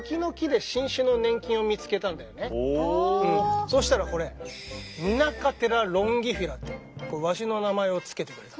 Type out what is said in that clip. これねそうしたらこれミナカテラ・ロンギフィラってわしの名前を付けてくれた。